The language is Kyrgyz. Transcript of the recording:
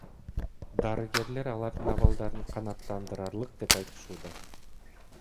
Дарыгерлер алардын абалдарын канааттандыраарлык деп айтышууда.